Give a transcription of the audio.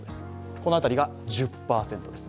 この辺りが１０％です。